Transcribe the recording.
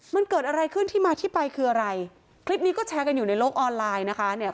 มันเกิดอะไรขึ้นที่มาที่ไปคืออะไรคลิปนี้ก็แชร์กันอยู่ในโลกออนไลน์นะคะเนี่ย